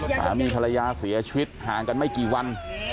สามีภรรยาเสียชีวิตห่างกันไม่กี่วัน